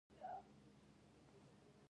د پوزې د وینې لپاره باید څه وکړم؟